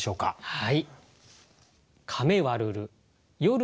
はい。